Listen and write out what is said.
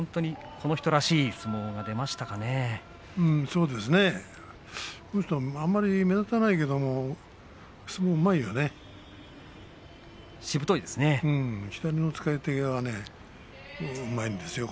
この人はあまり目立たないけれど相撲がうまいよね。